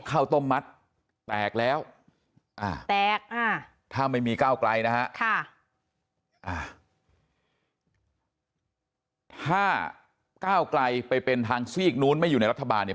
ข้าวต้มมัดแตกแล้วแตกถ้าไม่มีก้าวไกลนะฮะถ้าก้าวไกลไปเป็นทางซีกนู้นไม่อยู่ในรัฐบาลเนี่ย